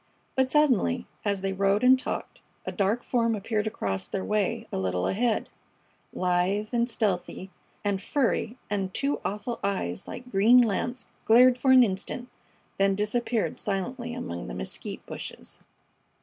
But suddenly, as they rode and talked, a dark form appeared across their way a little ahead, lithe and stealthy and furry, and two awful eyes like green lamps glared for an instant, then disappeared silently among the mesquite bushes.